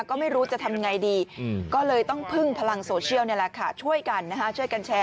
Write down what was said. ก็ไม่รู้จะทำอย่างไรดีก็เลยต้องพึ่งพลังโซเชียลช่วยกันแชร์